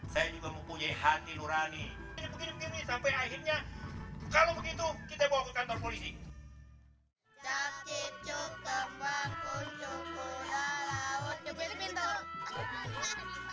saya juga mempunyai hati lurani